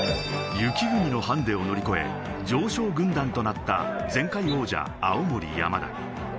雪国のハンデを乗り越え、常勝軍団となった前回王者・青森山田。